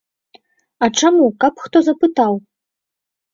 А чаму, каб хто запытаў?